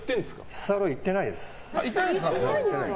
日サロ行ってないです。